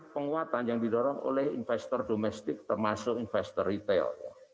penguatan yang didorong oleh investor domestik termasuk investor retail